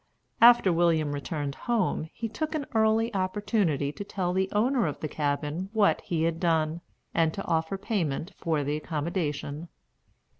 After William returned home he took an early opportunity to tell the owner of the cabin what he had done, and to offer payment for the accommodation.